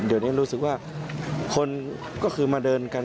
เดี๋ยวนี้รู้สึกว่าคนก็คือมาเดินกัน